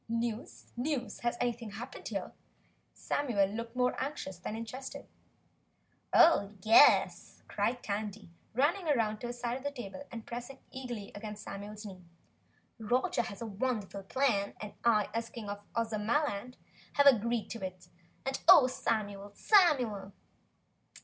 "News? NEWS? Has anything happened here?" Samuel looked more anxious than interested. "Oh, YES!" cried Tandy, running round to his side of the table and pressing eagerly against Samuel's knee. "Roger has a wonderful plan and I as King of Ozamaland have agreed to it, and oh, Samuel, SAMUEL!"